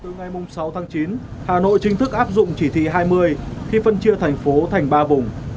từ ngày sáu tháng chín hà nội chính thức áp dụng chỉ thị hai mươi khi phân chia thành phố thành ba vùng